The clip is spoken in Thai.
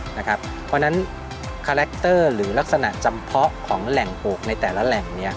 เพราะฉะนั้นคาแรคเตอร์หรือลักษณะจำเพาะของแหล่งปลูกในแต่ละแหล่ง